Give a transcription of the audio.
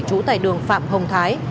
chú tại đường phạm hồng thái